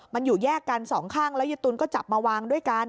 มันอยู่แยกกันสองข้างแล้วยายตุ๋นก็จับมาวางด้วยกัน